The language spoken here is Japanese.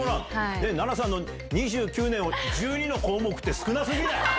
菜那さんの２９年を１２の項目って、少なすぎない？